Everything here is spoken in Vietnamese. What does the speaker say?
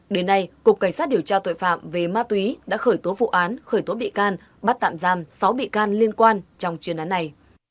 đến nay cục cảnh sát điều tra tội phạm về ma túy đã khởi tố vụ án khởi tố bị can bắt tạm giam sáu bị can liên quan trong chuyên án này